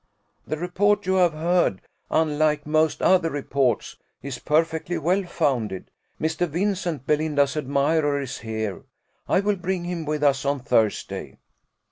"The report you have heard (unlike most other reports) is perfectly well founded: Mr. Vincent, Belinda's admirer, is here. I will bring him with us on Thursday."